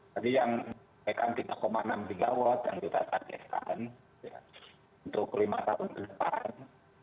tadi yang mereka tiga enam puluh tiga watt yang kita tajakan untuk lima tahun ke depan